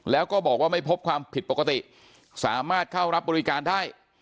แล้วก็บอกว่าไม่พบความผิดปกติสามารถเข้ารับบริการได้